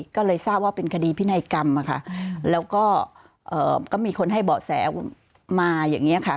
ก็เลยทราบว่าเป็นคดีพินัยกรรมอะค่ะแล้วก็มีคนให้เบาะแสมาอย่างนี้ค่ะ